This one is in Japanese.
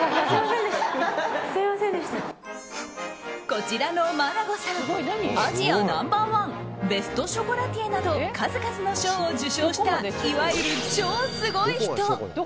こちらの眞砂さんアジアナンバーワンベストショコラティエなど数々の賞を受賞したいわゆる超すごい人。